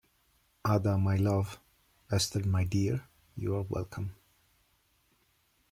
Ada, my love, Esther, my dear, you are welcome.